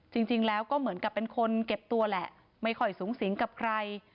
จริงแล้วก็เหมือนกับเป็นคนเก็บตัวแหละไม่ค่อยสูงสิงกับใคร